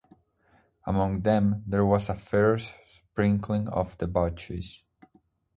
Among them there was a fair sprinkling of debauchees.